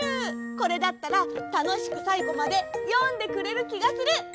これだったらたのしくさいごまでよんでくれるきがする！